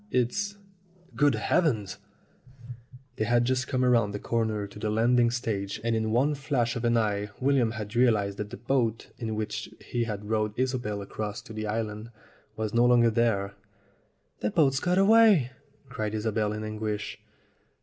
It's Good heavens !" They had just come round the corner to the landing stage, and in one flash of an eye William had realized that the boat in which he had rowed Isobel across to the island was no longer there. "The boat's got away!" cried Isobel in anguish.